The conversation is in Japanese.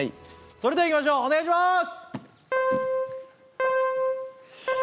それではいきましょうお願いします